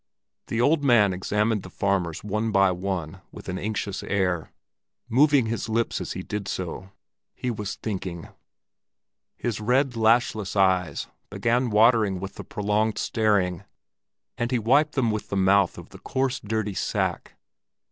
The old man examined the farmers one by one with an anxious air, moving his lips as he did so: he was thinking. His red, lashless eyes kept watering with the prolonged staring, and he wiped them with the mouth of the coarse dirty sack.